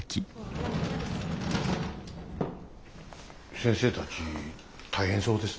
先生たち大変そうですね。